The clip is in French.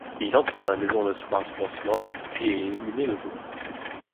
Il entre dans la maison le soir du lancement, et est éliminé le jour.